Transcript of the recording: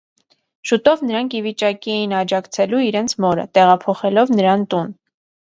Շուտով նրանք ի վիճակի էին աջակցելու իրենց մորը՝ տեղափոխելով նրան տուն։